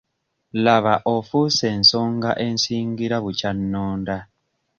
Laba ofuuse ensonga ensingira bukya nnonda.